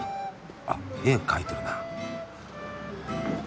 あっ絵描いてるな。